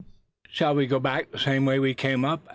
"SHALL we go back the same way we came up?"